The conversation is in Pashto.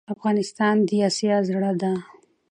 افغانستان دي اسيا زړه ده